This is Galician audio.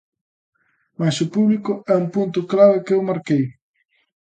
Mais o público é un punto clave que eu marquei.